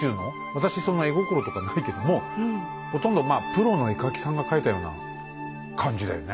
私その絵心とかないけどもほとんどまあプロの絵描きさんが描いたような感じだよね。